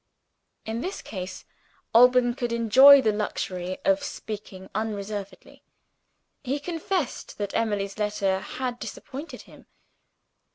In this case, Alban could enjoy the luxury of speaking unreservedly. He confessed that Emily's letter had disappointed him.